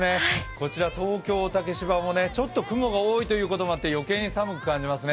こちら東京・竹芝もちょっと雲が多いということもあって余計に寒く感じますね